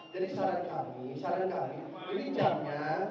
jadi saran kami saran kami pilih jamnya